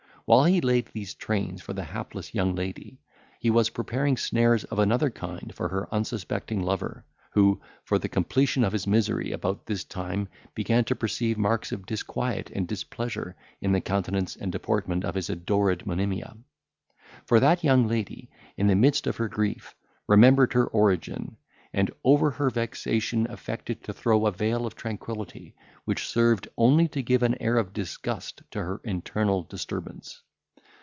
While he laid these trains for the hapless young lady, he was preparing snares of another kind for her unsuspecting lover, who, for the completion of his misery, about this time began to perceive marks of disquiet and displeasure in the countenance and deportment of his adored Monimia. For that young lady, in the midst of her grief, remembered her origin, and over her vexation affected to throw a veil of tranquillity, which served only to give an air of disgust to her internal disturbance.